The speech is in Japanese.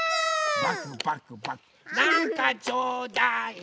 なんかちょうだい！